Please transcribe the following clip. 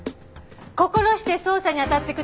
心して捜査に当たってください。